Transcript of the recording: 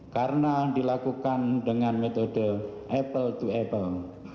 karena dilakukan dengan metode apple to apple